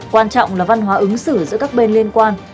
quan trọng là văn hóa ứng xử giữa các bên liên quan